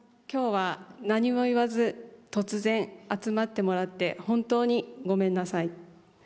今日は何も言わず突然集まってもらって本当にごめんなさい。